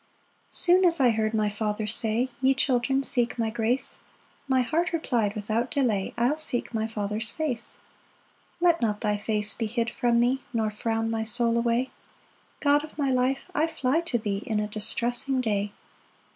1 Soon as I heard my Father say, "Ye children, seek my grace;" My heart reply'd without delay, "I'll seek my Father's face." 2 Let not thy face be hid from me, Nor frown my soul away; God of my life, I fly to thee In a distressing day.